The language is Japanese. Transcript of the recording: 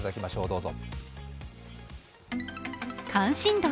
どうぞ。